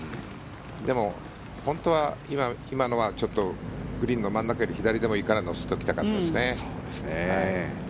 でも、本当は今のはグリーンの真ん中より左でもいいから乗せておきたかったですね。